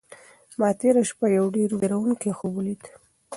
ما تېره شپه یو ډېر وېروونکی خوب ولید.